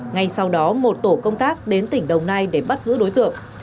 ngay sau đó một tổ công tác đến tỉnh đồng nai để bắt giữ đối tượng